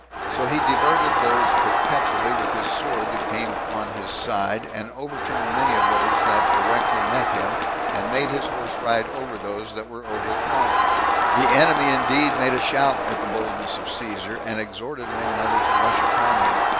So he diverted those perpetually with his sword that came on his side, and overturned many of those that directly met him, and made his horse ride over those that were overthrown. The enemy indeed made a shout at the boldness of Caesar, and exhorted one another to rush upon him.